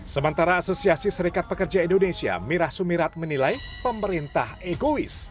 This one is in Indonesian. sementara asosiasi serikat pekerja indonesia mirah sumirat menilai pemerintah egois